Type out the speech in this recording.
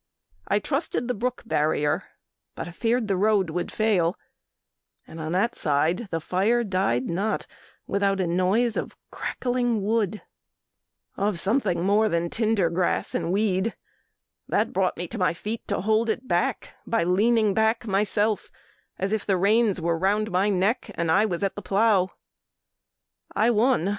I trusted the brook barrier, but feared The road would fail; and on that side the fire Died not without a noise of crackling wood Of something more than tinder grass and weed That brought me to my feet to hold it back By leaning back myself, as if the reins Were round my neck and I was at the plough. I won!